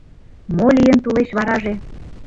Мо лийын тулеч вараже